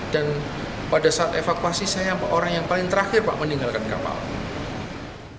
dan pada saat evakuasi saya orang yang paling terakhir meninggalkan kapal